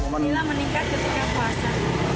bila meningkat ketika puasa